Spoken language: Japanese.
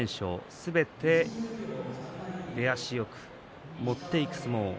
すべて出足よく持っていく相撲。